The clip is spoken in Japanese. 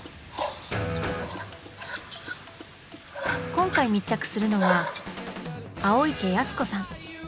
今回密着するのは青池保子さん。